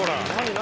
何？